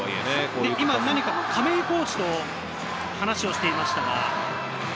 亀井コーチと話をしていました。